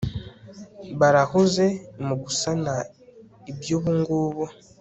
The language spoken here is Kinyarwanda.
barahuze mugusana ibyo ubungubu